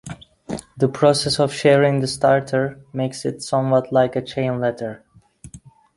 The process of sharing the starter makes it somewhat like a chain letter.